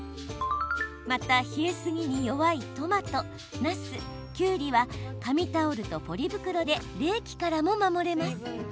また冷えすぎに弱いトマトなすきゅうりは紙タオルとポリ袋で冷気からも守れます。